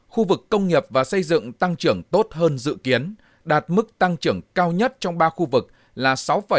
khu vực công nghiệp và xây dựng tăng trưởng tốt hơn dự kiến đạt mức tăng trưởng cao nhất trong ba khu vực là sáu hai mươi tám